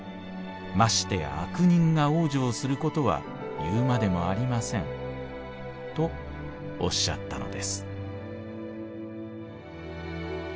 ましてや悪人が往生することは言うまでもありません』とおっしゃったのです」。